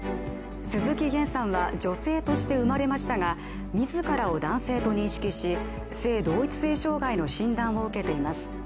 鈴木げんさんは女性として生まれましたが、自らを男性と認識し、性同一性障害の診断を受けています。